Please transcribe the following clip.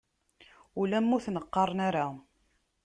Ulamma ur ten-qqaren ara.